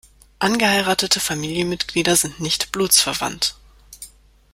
Angeheiratete Familienmitglieder sind nicht blutsverwandt.